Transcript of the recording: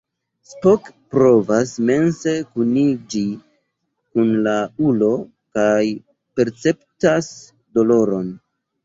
Spock provas mense kuniĝi kun la ulo, kaj perceptas doloron.